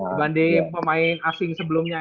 dibanding pemain asing sebelumnya